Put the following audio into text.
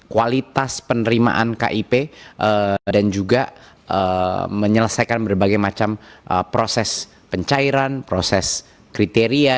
kualitas penerimaan kip dan juga menyelesaikan berbagai macam proses pencairan proses kriteria